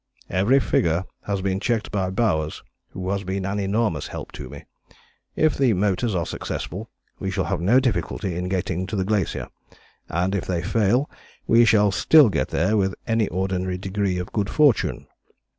"Every figure has been checked by Bowers, who has been an enormous help to me. If the motors are successful, we shall have no difficulty in getting to the Glacier, and if they fail, we shall still get there with any ordinary degree of good fortune.